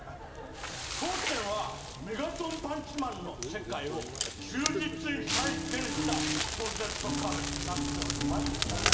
当店はメガトンパンチマンの世界を忠実に再現したコンセプトカフェとなっています。